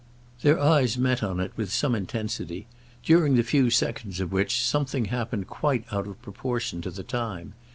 Their eyes met on it with some intensity—during the few seconds of which something happened quite out of proportion to the time.